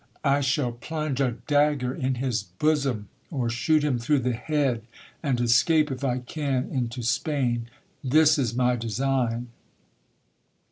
I shall plunge a dagger in his bosom, or shoot him through the head, and escape, if I can, into Spain. This is my design.